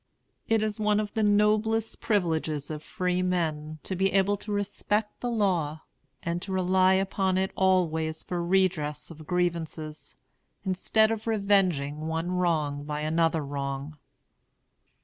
It is one of the noblest privileges of freemen to be able to respect the law, and to rely upon it always for redress of grievances, instead of revenging one wrong by another wrong.